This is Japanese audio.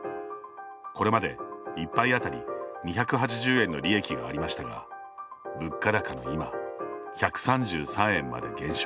これまで１杯当たり２８０円の利益がありましたが物価高の今、１３３円まで減少。